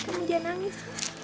kamu dia nangis